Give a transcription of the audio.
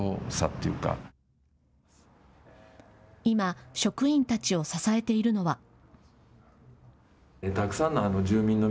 今、職員たちを支えているのは。